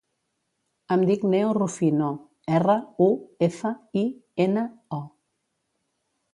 Em dic Neo Rufino: erra, u, efa, i, ena, o.